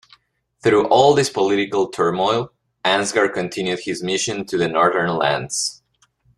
Through all this political turmoil, Ansgar continued his mission to the northern lands.